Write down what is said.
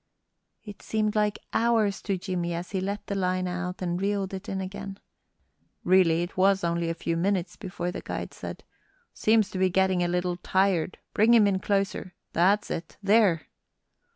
It seemed like hours to Jimmie as he let the line out and reeled it in again. Really, it was only a few minutes before the guide said: "Seems to be getting a little tired; bring him in closer. That's it. There!"